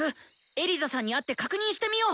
エリザさんに会って確認してみよう！